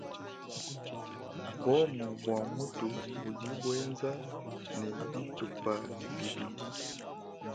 Buongo bua muntu budi buenza ne bitupa bibidi.